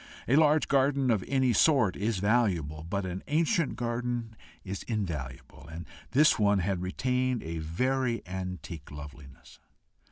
A large garden of any sort is valuable, but an ancient garden is invaluable, and this one had retained a very antique loveliness.